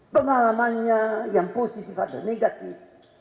pengalamannya yang positif atau negatif